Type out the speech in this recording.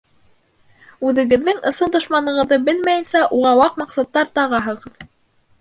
Үҙегеҙҙең ысын дошманығыҙҙы белмәйенсә, уға ваҡ маҡсаттар тағаһығыҙ.